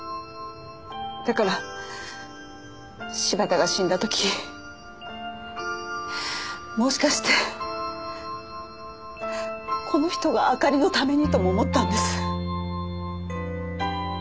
だから柴田が死んだ時もしかしてこの人があかりのためにとも思ったんです。